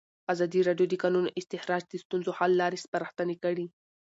ازادي راډیو د د کانونو استخراج د ستونزو حل لارې سپارښتنې کړي.